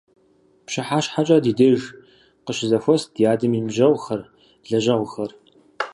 ПщыхьэщхьэкӀэрэ ди деж къыщызэхуэст ди адэм и ныбжьэгъухэр, и лэжьэгъухэр.